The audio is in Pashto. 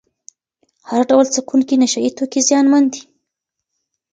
هر ډول څکونکي نشه یې توکي زیانمن دي.